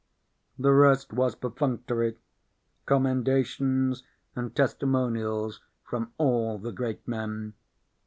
The rest was perfunctory, commendations and testimonials from all the great men.